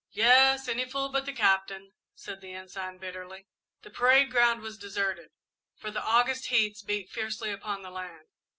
"Yes, any fool but the Captain," said the Ensign, bitterly. The parade ground was deserted, for the August heats beat fiercely upon the land.